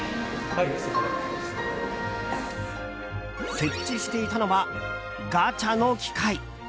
設置していたのはガチャの機械。